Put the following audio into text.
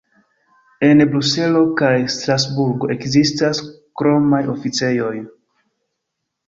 En Bruselo kaj Strasburgo ekzistas kromaj oficejoj.